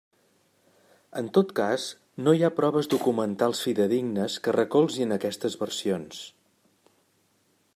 En tot cas, no hi ha proves documentals fidedignes que recolzin aquestes versions.